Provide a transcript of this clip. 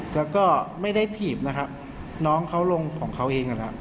แล้วก็ไม่ได้ทีบน้องเขาลงของเขาเอง